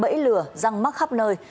bẫy lừa răng mắc khắp nơi